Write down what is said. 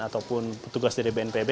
ataupun petugas dari bnpb